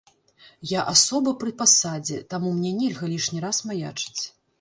Я асоба пры пасадзе, таму мне нельга лішні раз маячыць.